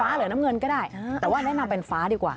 หรือน้ำเงินก็ได้แต่ว่าแนะนำเป็นฟ้าดีกว่า